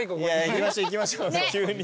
行きましょう行きましょう。